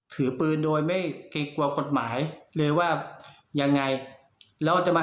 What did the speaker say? ถือปืนโดยไม่เกลียดกว่ากฎหมายเลยว่ายังไงเราจะมา